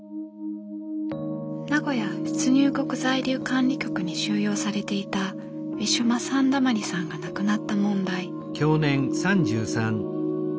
名古屋出入国在留管理局に収容されていたウィシュマ・サンダマリさんが亡くなった問題。